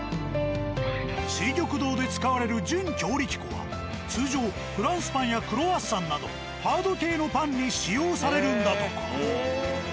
「翠玉堂」で使われる準強力粉は通常フランスパンやクロワッサンなどハード系のパンに使用されるんだとか。